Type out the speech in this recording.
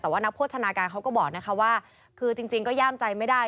แต่ว่านักโภชนาการเขาก็บอกนะคะว่าคือจริงก็ย่ามใจไม่ได้